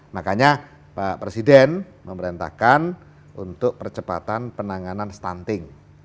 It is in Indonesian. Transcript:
makanya pak presiden memerintahkan untuk percepatan penanganan stunting